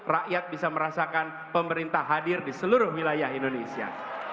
rakyat bisa merasakan pemerintah hadir di seluruh wilayah indonesia